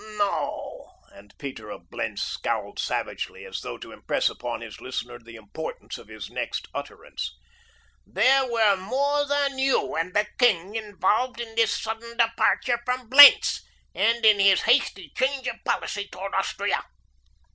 "No," and Peter of Blentz scowled savagely, as though to impress upon his listener the importance of his next utterance, "there were more than you and the king involved in his sudden departure from Blentz and in his hasty change of policy toward Austria.